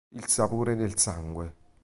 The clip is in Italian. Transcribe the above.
Il sapore del sangue